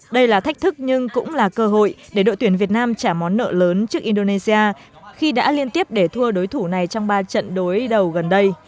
đây là thách thức nhưng cũng là cơ hội để đội tuyển việt nam trả món nợ lớn trước indonesia khi đã liên tiếp để thua đối thủ này trong ba trận đối đầu gần đây